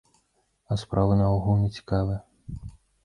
А справы наогул нецікавыя.